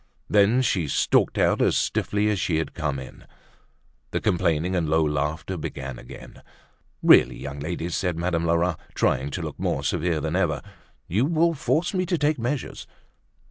Then she stalked out as stiffly as she had come in. The complaining and low laughter began again. "Really, young ladies!" said Madame Lerat, trying to look more severe than ever. "You will force me to take measures."